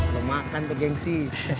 lo makan tuh gengsi